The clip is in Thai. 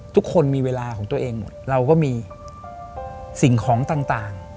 ทุกคนมีเวลาของตัวเองหมดเราก็มีสิ่งของต่าง